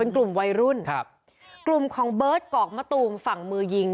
กลุ่มวัยรุ่นครับกลุ่มของเบิร์ตกอกมะตูมฝั่งมือยิง